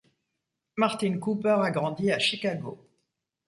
Martin Cooper a grandi à Chicago.